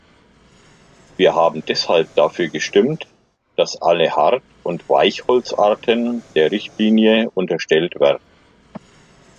Wir haben deshalb dafür gestimmt, dass alle Hart- und Weichholzarten der Richtlinie unterstellt werden.